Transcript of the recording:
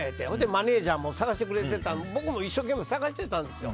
マネジャーも探してくれてて僕も一生懸命探してたんですよ。